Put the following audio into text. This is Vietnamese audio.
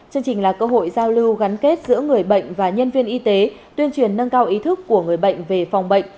chương trình là cơ hội giao lưu gắn kết giữa người bệnh và nhân viên y tế tuyên truyền nâng cao ý thức của người bệnh về phòng bệnh